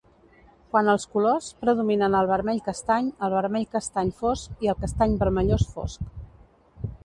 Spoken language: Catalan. Quant als colors, predominen el vermell-castany, el vermell-castany fosc i el castany-vermellós fosc.